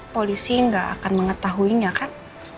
polisi nggak akan mengetahuinya kan